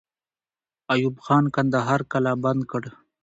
ایوب خان کندهار قلابند کړ.